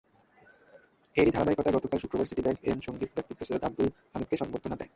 এরই ধারাবাহিকতায় গতকাল শুক্রবার সিটিব্যাংক এনএ সংগীত ব্যক্তিত্ব সৈয়দ আব্দুল হাদীকে সংবর্ধনা দেয়।